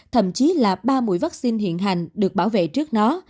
thậm chí là ba mũi vaccine hiện hành được bảo vệ trước nó